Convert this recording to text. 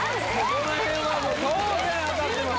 この辺は当然当たってます